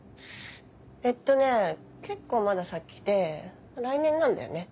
えっとね結構まだ先で来年なんだよね。